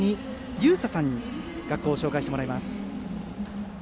美紗さんに学校を紹介してもらいます。